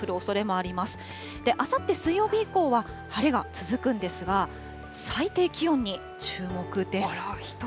あさって水曜日以降は、晴れが続くんですが、最低気温に注目です。